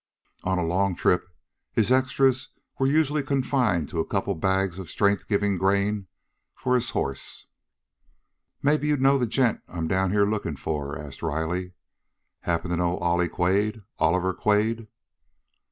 On a long trip his "extras" were usually confined to a couple of bags of strength giving grain for his horse. "Maybe you'd know the gent I'm down here looking for?" asked Riley. "Happen to know Ollie Quade Oliver Quade?"